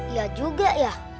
iya juga ya